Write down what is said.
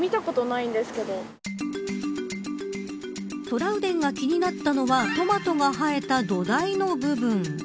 トラウデンが気になったのはトマトが生えた土台の部分。